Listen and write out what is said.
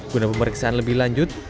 guna pemeriksaan lebih lanjut